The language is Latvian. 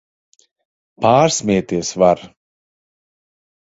Pārsmieties var!